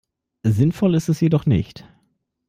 Sinnvoll ist es jedoch nicht.